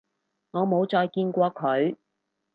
我冇再見過佢